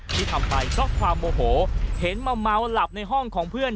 ที่ทำไปเพราะความโมโหเห็นมาเมาหลับในห้องของเพื่อน